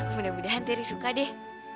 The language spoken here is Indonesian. mudah mudahan terry suka deh